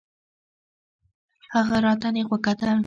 هغه راته نېغ وکتل.